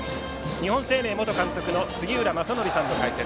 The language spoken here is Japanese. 日本生命元監督の杉浦正則さんの解説。